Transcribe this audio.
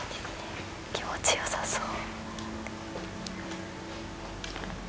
気持ちよさそう。